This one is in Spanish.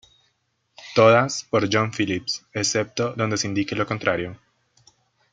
Todas por John Phillips excepto donde se indique lo contrario.